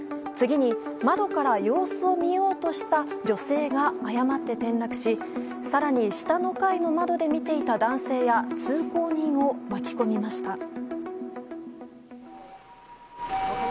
次に窓から様子を見ようとした女性が誤って転落し更に下の階の窓で見ていた男性や通行人を巻き込みました。